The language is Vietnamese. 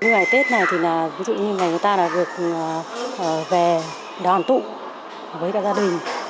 với ngày tết này thì là ví dụ như là người ta được về đoàn tụ với gia đình